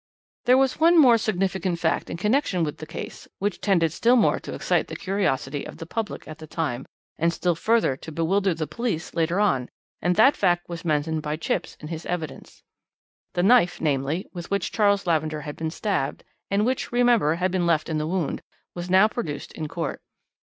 "There was one more significant fact in connection with the case, which tended still more to excite the curiosity of the public at the time, and still further to bewilder the police later on, and that fact was mentioned by Chipps in his evidence. The knife, namely, with which Charles Lavender had been stabbed, and which, remember, had been left in the wound, was now produced in court.